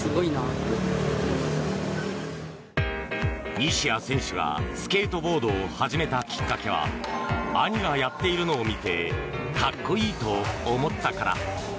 西矢選手がスケートボードを始めたきっかけは兄がやっているのを見てかっこいいと思ったから。